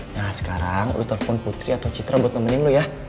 nah sekarang lo telfon putri atau citra buat nemenin lo ya